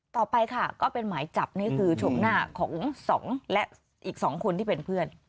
ต่อไปค่ะก็เป็นหมายจับนี่คือชมหน้าของสองและอีก๒คนที่เป็นเพื่อน